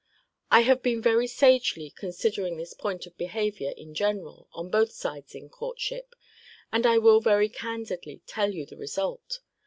I have been very sagely considering this point of behaviour (in general) on both sides in courtship; and I will very candidly tell you the result.